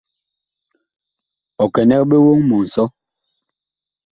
Ɔ kɛnɛg ɓe woŋ mɔ nsɔ.